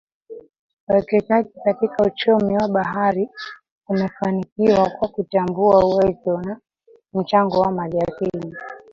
Uwekezaji katika uchumi wa bahari umefanikiwa kwa kutambua uwezo na mchango wa maliasili